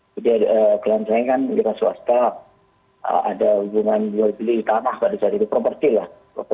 jadi ada kelantrengan ada swasta ada hubungan beli beli tanah pada saat itu properti lah